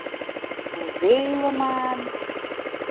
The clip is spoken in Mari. Кузе илыман?